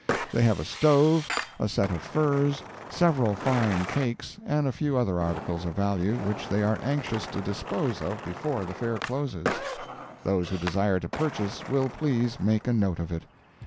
They have a stove, a set of furs, several fine cakes, and a few other articles of value, which they are anxious to dispose of before the Fair closes; those who desire to purchase will please make a note of it.